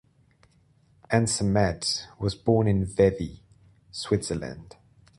Ansermet was born in Vevey, Switzerland.